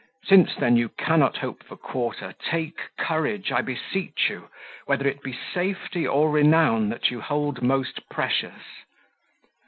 Since then you cannot hope for quarter, take courage, I beseech you, whether it be safety or renown that you hold most precious.